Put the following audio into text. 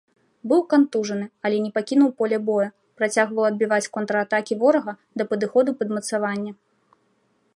Быў кантужаны, але не пакінуў поле бою, працягваў адбіваць контратакі ворага да падыходу падмацавання.